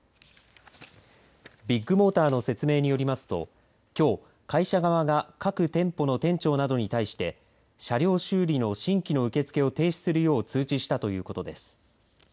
ビッグモーターの説明によりますときょう会社側が各店舗の店長などに対して車両修理の新規の受け付けを停止するよう通知したということです。